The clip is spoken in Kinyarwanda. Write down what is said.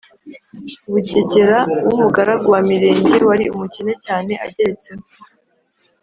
Bugegera w’umugaragu wa Mirenge wari umukene cyane ageretseho